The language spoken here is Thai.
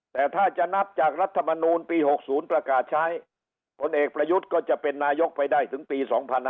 แต่ถ้าจะนับจากรัฐมนูลปี๖๐ประกาศใช้พลเอกประยุทธ์ก็จะเป็นนายกไปได้ถึงปี๒๕๕๙